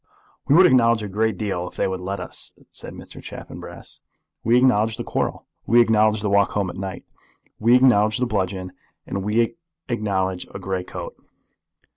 "We would acknowledge a great deal if they would let us," said Mr. Chaffanbrass. "We acknowledge the quarrel, we acknowledge the walk home at night, we acknowledge the bludgeon, and we acknowledge a grey coat."